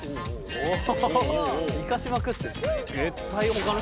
おお！